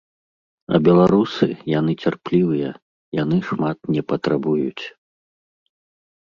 А беларусы, яны цярплівыя, яны шмат не патрабуюць.